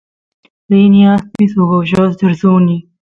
rini aspiy suk oyot suni